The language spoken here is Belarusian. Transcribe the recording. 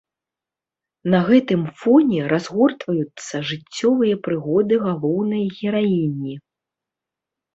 На гэтым фоне разгортваюцца жыццёвыя прыгоды галоўнай гераіні.